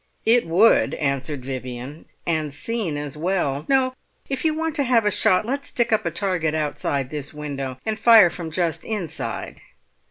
"It would," answered Vivian, "and seen as well. No, if you want to have a shot let's stick up a target outside this window, and fire from just inside."